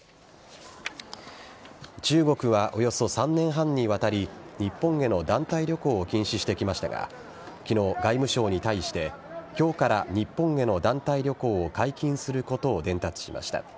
中国は、およそ３年半にわたり日本への団体旅行を禁止してきましたが昨日、外務省に対して今日から日本への団体旅行を解禁することを伝達しました。